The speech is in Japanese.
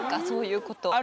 そういうこと。